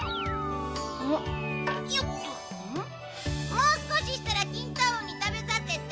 もう少ししたらきんと雲に食べさせて。